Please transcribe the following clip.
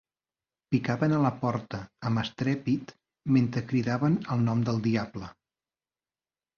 Picaven a la porta amb estrèpit mentre cridaven el nom del diable.